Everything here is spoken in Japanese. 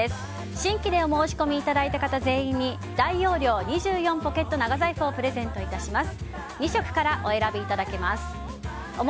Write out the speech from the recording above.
新規でお申し込みいただいた方全員に大容量２４ポケット長財布をプレゼントいたします。